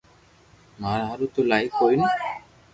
ماري ھارون تو لائق ڪوئي ني